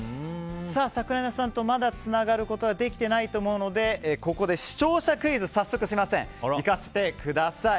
桜根さんと、まだつながることはできていないと思うのでここで、視聴者クイズにいかせてください。